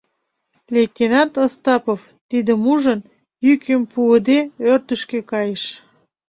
Лейтенант Остапов, тидым ужын, йӱкым пуыде, ӧрдыжкӧ кайыш.